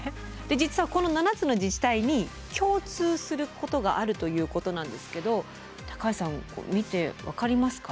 実はこの７つの自治体に共通することがあるということなんですけど高橋さん見て分かりますか？